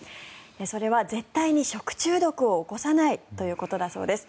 それは絶対に食中毒を起こさないということだそうです。